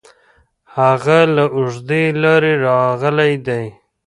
هغه له اوږدې لارې راغلی دی.